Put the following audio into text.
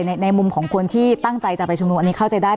ในมุมของคนที่ตั้งใจจะไปชุมนุมอันนี้เข้าใจได้